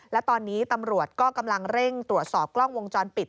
และตอนนี้ตำรวจก็กำลังเร่งตรวจสอบกล้องวงจรปิด